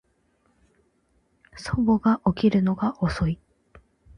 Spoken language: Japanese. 叔母は起きるのが遅い